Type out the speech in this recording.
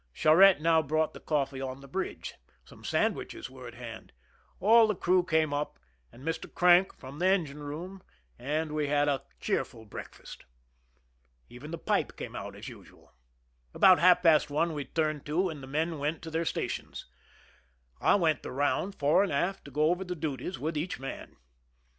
Charette now brought the coffee on the bridge ; some sandwiches were at hand ; all the crew came up, and also Mr. Crank from the engine room, and we had a cheerful breakfast. Even the pipe cam e out as usual. About half past one we " turned to," and the men went to their stations. I went the round, fore and aft, to go over the duties with each man.